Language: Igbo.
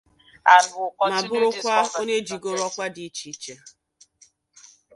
ma bụrụkwa onye jigoro ọkwa dị icheiche